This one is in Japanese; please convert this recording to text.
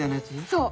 そう。